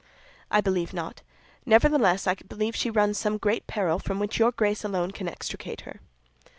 "I believe not; nevertheless I believe she runs some great peril from which your Grace alone can extricate her."